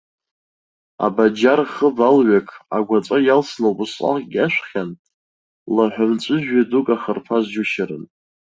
Абаџьар хыб алҩақ агәаҵәа иалсны убасҟак иашәхьан, лаҳәа мҵәыжәҩа дук ахарԥаз џьушьарын.